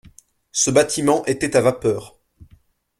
Ce bâtiment était à vapeur.